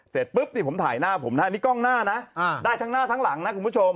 เสร็จปุ๊บนี่ผมถ่ายหน้าผมนะนี่กล้องหน้านะได้ทั้งหน้าทั้งหลังนะคุณผู้ชม